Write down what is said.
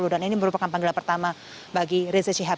dan ini merupakan panggilan pertama bagi rizik syihab